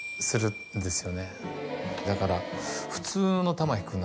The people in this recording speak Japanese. だから。